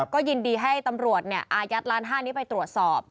ก็ยินดีให้ตำรวจอายัดล้านห้านี้ไปตรวจสอบ